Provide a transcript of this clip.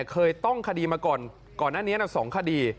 เคยต้องคดีมาก่อนก่อนหน้านี้๒คดี